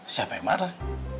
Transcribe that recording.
siapa yang marah